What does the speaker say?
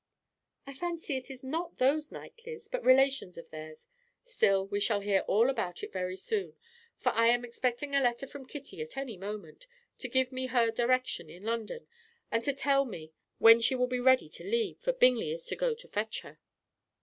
"I fancy it is not those Knightleys, but relations of theirs; still, we shall hear all about it very soon, for I am expecting a letter from Kitty at any moment, to give me her direction in London and to tell me when she will be ready to leave, for Bingley is to go to fetch her."